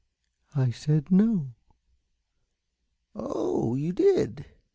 "I said 'No.'" "Oh, you did?